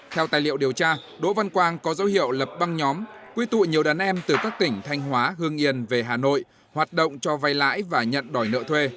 theo tài liệu điều tra đỗ văn quang có dấu hiệu lập băng nhóm quy tụ nhiều đàn em từ các tỉnh thanh hóa hương yên về hà nội hoạt động cho vay lãi và nhận đòi nợ thuê